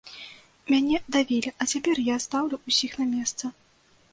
Мяне давілі, а цяпер я стаўлю ўсіх на месца.